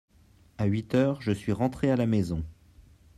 à huit heures je suis rentré à la maison.